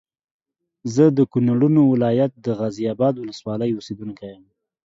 زه د کونړونو ولايت د غازي اباد ولسوالۍ اوسېدونکی یم